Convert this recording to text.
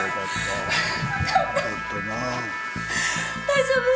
大丈夫？